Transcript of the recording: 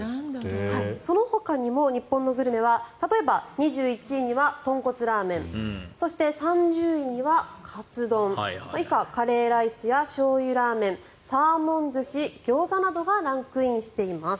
そのほかにも日本のグルメは例えば２１位には豚骨ラーメンそして、３０位にはカツ丼以下、カレーライスやしょうゆラーメンサーモン寿司、ギョーザなどがランクインしてます。